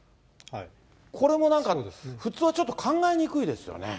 これもなんか、普通はちょっと考えにくいですよね。